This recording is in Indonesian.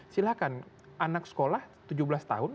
silahkan anak sekolah tujuh belas tahun